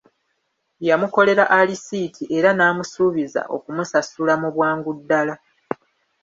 Yamukolera alisiiti era n'amusuubiza okumusasula mu bwangu ddala!